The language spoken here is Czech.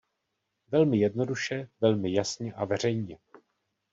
Velmi jednoduše, velmi jasně a veřejně.